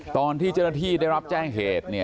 ตอนที่เจรถี่ได้รับแจ้งเหตุ